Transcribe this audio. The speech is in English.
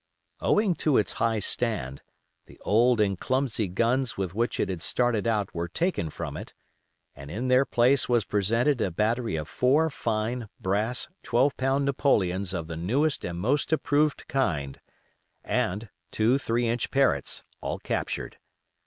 Owing to its high stand, the old and clumsy guns with which it had started out were taken from it, and in their place was presented a battery of four fine, brass, twelve pound Napoleons of the newest and most approved kind, and two three inch Parrotts, all captured.